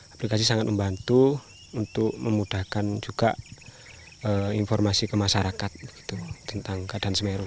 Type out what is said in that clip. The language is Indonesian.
aplikasi sangat membantu untuk memudahkan juga informasi ke masyarakat tentang keadaan semeru